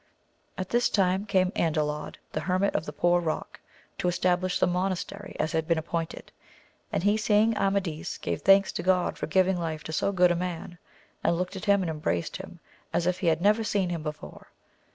At this time came Andalod the hermit of the Poor Rock to establish the monastery as had been appointed, and he seeing Amadis gave thanks to God for giving life to so good a man, and looked at him and embraced him as if he had never seen him before.